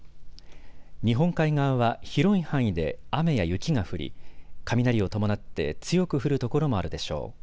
日本海側は広い範囲で雨や雪が降り雷を伴って強く降る所もあるでしょう。